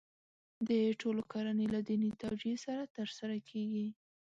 د ټولو کړنې له دیني توجیه سره ترسره کېږي.